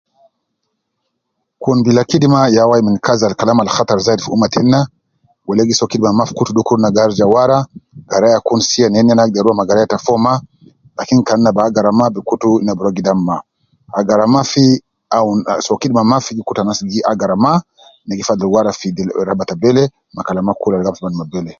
Kun bila kidima ya wai min kazi al Kalam al khattar fi umma tena wele gi soo kidima mafi dukur na gi arija wara garaya kun sia nena ne agder rua ma garaya ta fo ma lakin kan na bi agara ma kutu na bi rua gidam ma agara mafi awun ah soo kidima mafi gi kutu anas gi agara ma na gi fadul wara gi ag raba te bele ma kalama kul al raf